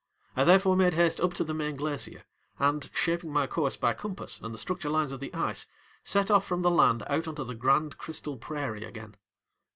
I therefore made haste up to the main glacier, and, shaping my course by compass and the structure lines of the ice, set off from the land out on to the grand crystal prairie again.